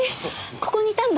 ここにいたんだ。